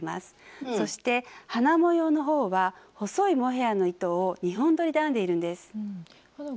そして花模様の方は細いモヘアの糸を２本どりで編んでいるんです。